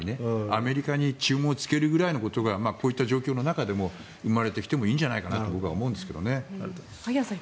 アメリカに注文をつけることぐらいがこういった中でも生まれてきてもいいんじゃないかなと僕は思うんですけどね。